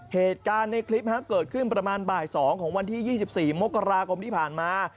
เหตุการณ์ในคลิปเกิดขึ้นประมาณบ่าย๒ของวันที่๒๔มกราคมที่ผ่านมา